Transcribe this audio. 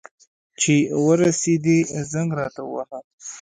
چي ورسېدې، زنګ راته ووهه.